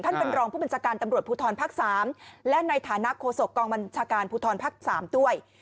เป็นรองผู้บัญชาการตำรวจภูทรภาค๓และในฐานะโฆษกองบัญชาการภูทรภักดิ์๓ด้วย